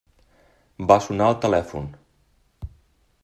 Va sonar el telèfon.